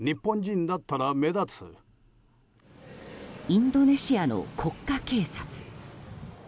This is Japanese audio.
インドネシアの国家警察。